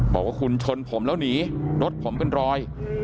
บอกว่าคุณชนผมแล้วหนีรถผมเป็นรอย